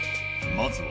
「まずは」。